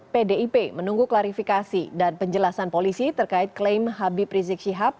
pdip menunggu klarifikasi dan penjelasan polisi terkait klaim habib rizik syihab